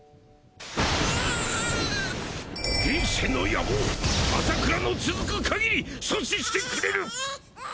葉明：現世の野望麻倉の続くかぎり阻止してくれる！！